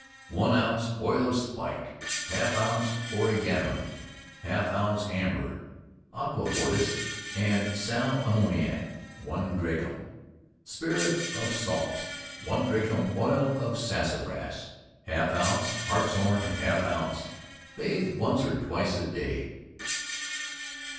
One ounce oil of spike, half ounce origanum, half ounce amber, aqua fortis and sal amoniac 1 drachm, spirits of salts 1 drachm oil of sassafras half ounce, harts horn half ounce. Bathe once or twice a day.